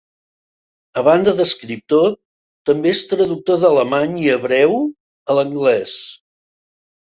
A banda d'escriptor, també és traductor d'alemany i hebreu a l'anglès.